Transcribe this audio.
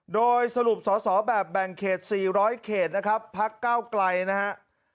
โดยสรุปสอสอแบบแบ่งเขต๔๐๐เขตนะครับพักเก้าไกลนะครับ